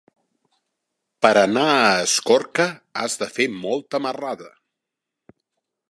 Per anar a Escorca has de fer molta marrada.